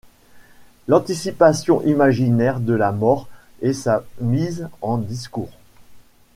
L'anticipation imaginaire de la mort et sa mise en discours.